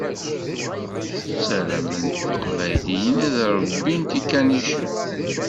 Ssarament teqbayliyin ad ṛebbint ikanicen.